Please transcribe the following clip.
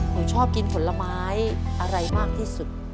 หนูชอบกินผลไม้อะไรมากที่สุด